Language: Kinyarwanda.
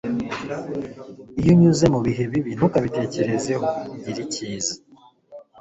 iyo unyuze mubihe bibi, ntukabitekerezeho. gira icyiza